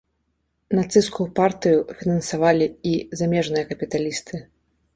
Нацысцкую партыю фінансавалі і замежныя капіталісты.